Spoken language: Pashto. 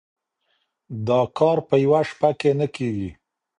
دا کار په يوه شپه کي نه کيږي.